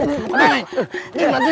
suara siapa itu